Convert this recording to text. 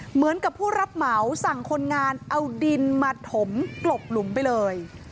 เหมือนกับผู้รับเหมาสั่งคนงานเอาดินมาถมกลบหลุมไปเลย